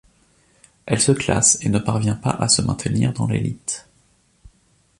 Elle se classe et ne parvient pas à se maintenir dans l'élite.